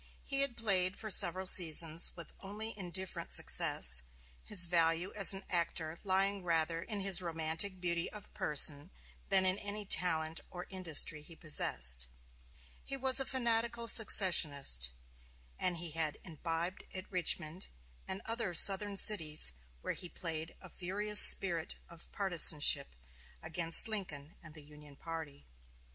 He had played for several seasons with only indifferent success, his value as an actor lying rather in his romantic beauty of person than in any talent or industry he possessed. He was a fanatical secessionist, and had imbibed at Richmond and other Southern cities where he played a furious spirit of partizanship against Lincoln and the Union party.